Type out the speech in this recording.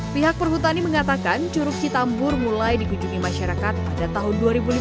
pihak perhutani mengatakan curug citambur mulai dikunjungi masyarakat pada tahun dua ribu lima belas